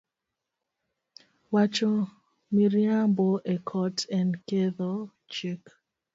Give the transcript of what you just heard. Wacho miriambo e kot en ketho chik